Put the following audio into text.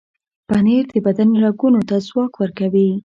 پنېر د بدن رګونو ته ځواک ورکوي.